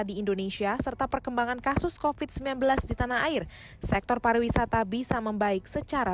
di indonesia serta perkembangan kasus covid sembilan belas di tanah air sektor pariwisata bisa membaik secara